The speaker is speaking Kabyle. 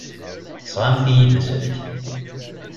Tesɣamt-iyi-d asefk?!